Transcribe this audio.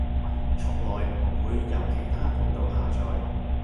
從來唔會由其它管道下載